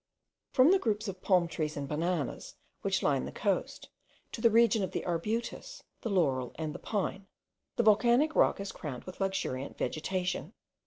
From the groups of palm trees and bananas which line the coast, to the region of the arbutus, the laurel, and the pine, the volcanic rock is crowned with luxuriant vegetation.